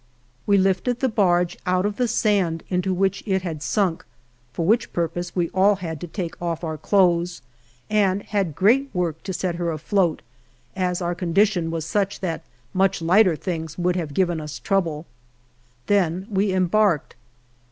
We lifted the barge out of the sand into which it had sunk (for which purpose we all had to take off our clothes) and had great work to set her afloat, as our condi tion was such that much lighter things would have given us trouble. Then we embarked.